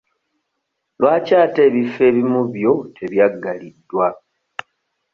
Lwaki ate ebifo ebimu byo tebyaggaliddwa?